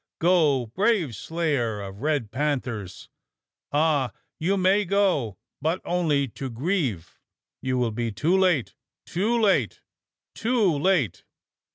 Go, brave slayer of red panthers! Ah! you may go, but only to grieve: you will be too late too late too late!"